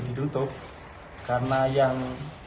ditutup karena yang